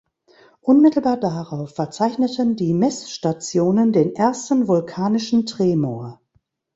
Unmittelbar darauf verzeichneten die Messstationen den ersten vulkanischen Tremor.